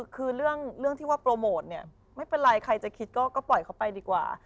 คือเรื่องที่ว่าโปรโมทเนี่ยไม่เป็นไรใครจะคิดก็ปล่อยเขาไปดีกว่า